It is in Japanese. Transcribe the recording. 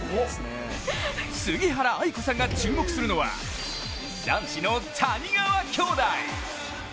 杉原愛子さんが注目するのは男子の谷川兄弟。